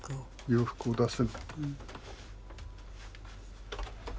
洋服を出す？